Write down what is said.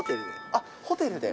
あっ、ホテルで。